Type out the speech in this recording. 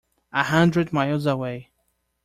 A hundred miles away.